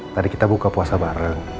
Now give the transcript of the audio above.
tadi kita buka puasa bareng